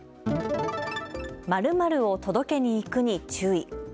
○○を届けに行くに注意。